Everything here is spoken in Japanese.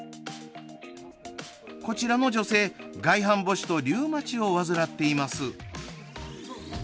こちらの女性、外反ぼしとリウマチを患っています。